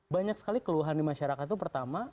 banyak sekali keluhan di masyarakat itu pertama